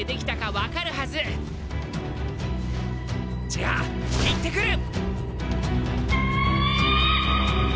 じゃあ行ってくる！